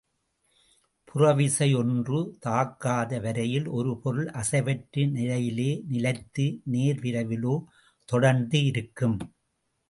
புறவிசை ஒன்று தாக்காத வரையில் ஒரு பொருள் அசைவற்ற நிலையிலோ நிலைத்த நேர்விரைவிலோ தொடர்ந்து இருக்கும்.